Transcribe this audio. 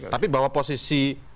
tapi bahwa posisi